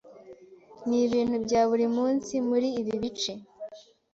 Nibintu bya buri munsi muri ibi bice.